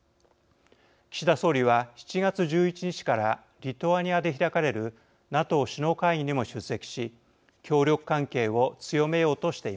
岸田総理は７月１１日からリトアニアで開かれるＮＡＴＯ首脳会議にも出席し協力関係を強めようとしています。